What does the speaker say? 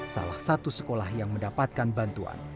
salah satu sekolah yang mendapatkan bantuan